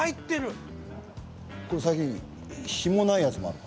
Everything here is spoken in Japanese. これ最近ひもないやつもあるの。